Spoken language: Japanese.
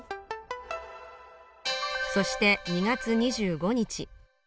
そして２月２５日